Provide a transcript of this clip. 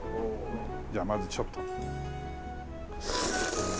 じゃあまずちょっと。